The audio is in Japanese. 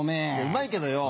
うまいけどよ。